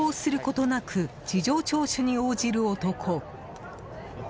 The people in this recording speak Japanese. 抵抗することなく事情聴取に応じる男。